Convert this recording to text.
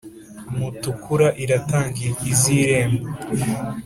mutukura iratanga iz’irembo,